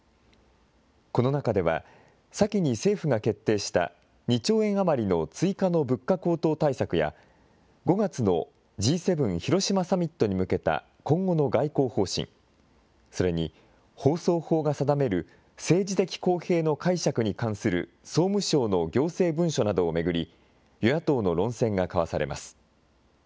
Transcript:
この中では、先に政府が決定した２兆円余りの追加の物価高騰対策や、５月のＧ７広島サミットに向けた今後の外交方針、それに放送法が定める政治的公平の解釈に関する総務省の行政文書などを巡り、与野党の論戦が交わされます。